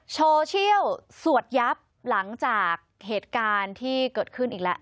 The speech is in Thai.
โซเชียลสวดยับหลังจากเหตุการณ์ที่เกิดขึ้นอีกแล้ว